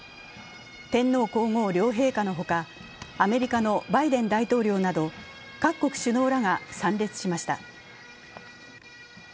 天皇皇后両陛下のほか、アメリカのバイデン大統領など、各国首脳らが参列しました。